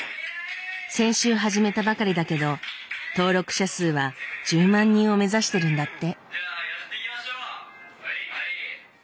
先週始めたばかりだけど登録者数は１０万人を目指してるんだって。